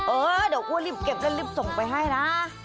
เออเดี๋ยวกลัวรีบเก็บกันรีบส่งไปให้นะ